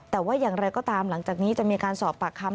แต่ว่าอย่างไรก็ตามหลังจากนี้จะมีการสอบปากคำ